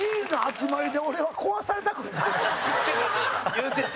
言うてた。